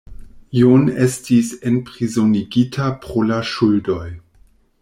John estis enprizonigita pro la ŝuldoj.